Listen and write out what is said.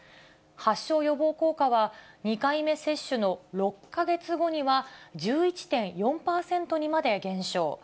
発症予防効果は２回目接種の６か月後には、１１．４％にまで減少。